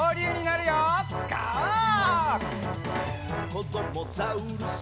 「こどもザウルス